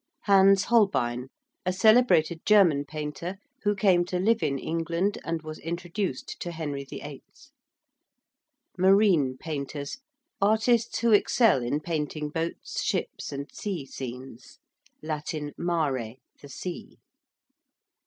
~Hans Holbein~: a celebrated German painter who came to live in England and was introduced to Henry VIII. ~marine painters~: artists who excel in painting boats, ships, and sea scenes. (Latin mare, the sea.)